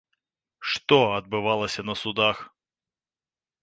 Што адбывалася на судах?